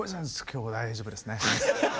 今日は大丈夫ですね。